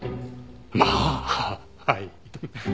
まあはい。